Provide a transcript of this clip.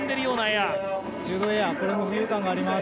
これも浮遊感があります。